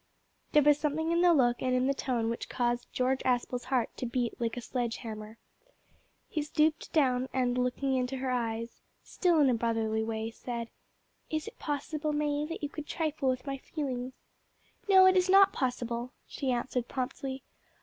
There was something in the look and in the tone which caused George Aspel's heart to beat like a sledge hammer. He stooped down, and, looking into her eyes, still in a brotherly way, said "Is it possible, May, that you could trifle with my feelings?" "No, it is not possible," she answered promptly.